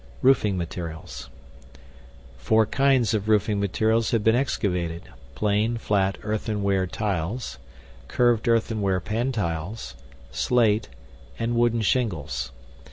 ROOFING MATERIALS Four kinds of roofing materials have been excavated: Plain, flat, earthenware tiles; curved earthenware pantiles; slate; and wooden shingles.